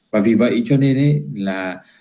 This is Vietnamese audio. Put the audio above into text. và vì vậy cho nên là